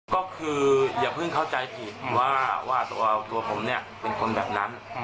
ก็คืออย่าเพิ่งเข้าใจผิดว่าตัวผมเนี่ยเป็นคนแบบนั้น